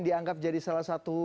dianggap jadi salah satu